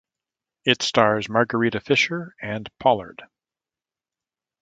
It stars Margarita Fischer and Pollard.